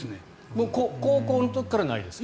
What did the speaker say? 高校の時からないですか？